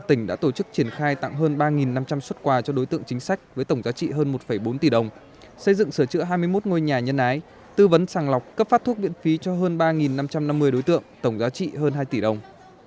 tỉnh đã tổ chức triển khai tặng hơn ba năm trăm linh xuất quà cho đối tượng chính sách với tổng giá trị hơn một bốn tỷ đồng xây dựng sửa chữa hai mươi một ngôi nhà nhân ái tư vấn sàng lọc cấp phát thuốc viện phí cho hơn ba năm trăm năm mươi đối tượng tổng giá trị hơn hai tỷ đồng